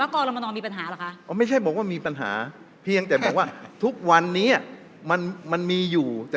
คุณจัยประยุทธเห็นว่ากอรมนมีปัญหาหรอคะ